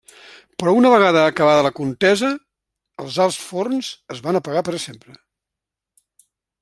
Però una vegada acabada la contesa els alts forns es van apagar per a sempre.